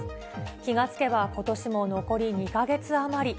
気が付けば、ことしも残り２か月余り。